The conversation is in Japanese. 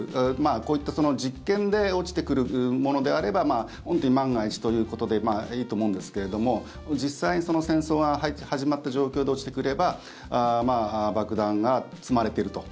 こういった実験で落ちてくるものであれば本当に万が一ということでいいと思うんですけれども実際に戦争が始まった状況で落ちてくれば爆弾が積まれていると。